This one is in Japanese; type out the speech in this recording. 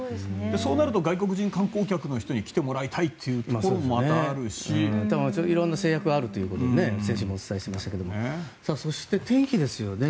そうなると外国人観光客の人に来てもらいたいというところも色んな制約があるということを先週もお伝えしましたがそして、天気ですよね